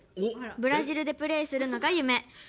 ブラジルでプレーするのが夢。